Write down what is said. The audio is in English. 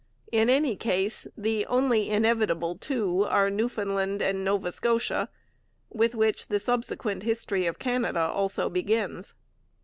In any case, the only inevitable two are Newfoundland and Nova Scotia, with which the subsequent history of Canada also begins.